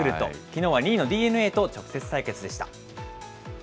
きのうは２位のＤｅＮＡと直接対決でした。